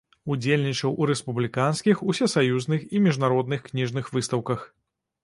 Удзельнічаў у рэспубліканскіх, усесаюзных і міжнародных кніжных выстаўках.